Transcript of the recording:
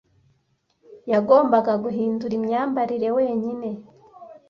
Yagombaga guhindura imyambarire wenyine.